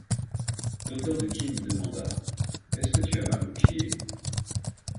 L'auteur de Kean lui demanda : «Est-ce que tu as mal aux pieds ?